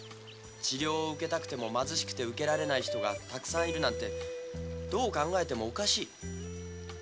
治療を受けたくても受けられない人がたくさんいるのはどう考えてもおかしい。